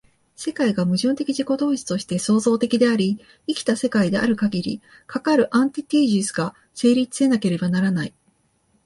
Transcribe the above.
世界が矛盾的自己同一として創造的であり、生きた世界であるかぎり、かかるアンティテージスが成立せなければならない。